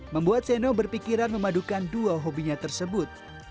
membuat seno berpikiran memadukan dua hobi fotografer